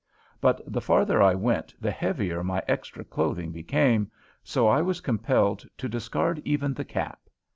But the farther I went the heavier my extra clothing became, so I was compelled to discard even the cap.